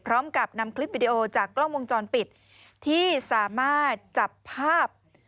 พร้อมกับนำคลิปวิดีโอจากกล้องวงจรปิดที่สามารถจับภาพ